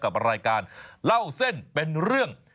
กับรายการเล่าเส้นเป็นเรื่อง